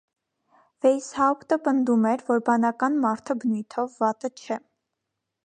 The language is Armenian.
Վեյսհաուպտը պնդում էր, որ բանական մարդը բնույթով վատը չէ։